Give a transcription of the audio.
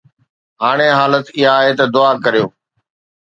هاڻي حالت اها آهي ته دعا ڪريو